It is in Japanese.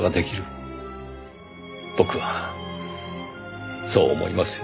僕はそう思いますよ。